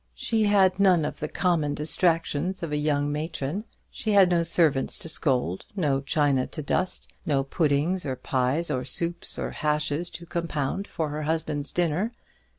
She had none of the common distractions of a young matron. She had no servants to scold, no china to dust, no puddings or pies or soups or hashes to compound for her husband's dinner.